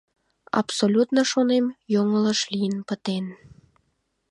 Абсолютно, шонем, йоҥылыш лийын пытен.